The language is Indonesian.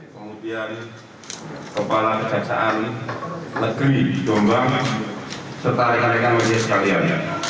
kemudian kepala kejaksaan negeri jombang serta rekan rekan media sekalian